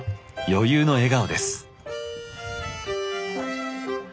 余裕の笑顔です。